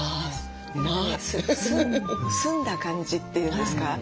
澄んだ感じっていうんですか。